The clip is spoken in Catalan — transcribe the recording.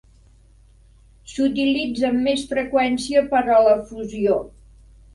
S'utilitza amb més freqüència per a la fusió.